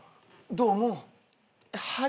どうも。